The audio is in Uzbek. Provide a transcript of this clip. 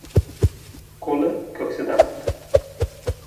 Ko‘li ko‘ksida bo‘ldi.